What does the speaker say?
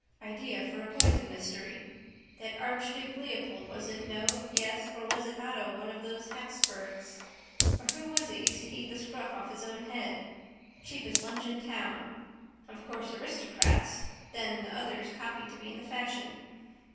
Idea for a poison mystery. That archduke Leopold was it no yes or was it Otto one of those Habsburgs? Or who was it used to eat the scruff off his own head? Cheapest lunch in town. Of course aristocrats, then the others copy to be in the fashion.